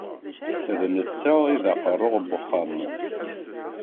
D netta i d aqerru n uxxam.